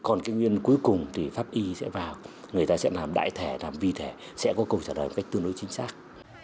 còn cái nguyên cuối cùng thì pháp y sẽ vào người ta sẽ làm đại thẻ làm vi thẻ sẽ có câu trả lời một cách tương đối chính xác